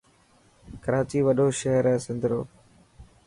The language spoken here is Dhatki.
ڪراچي وڏو شهر هي سنڌرو.